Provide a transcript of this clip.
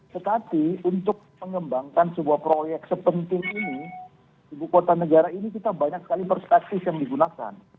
tetapi untuk mengembangkan sebuah proyek sepenting ini ibu kota negara ini kita banyak sekali perspektif yang digunakan